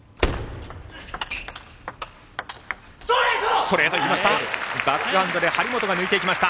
ストレートいきました！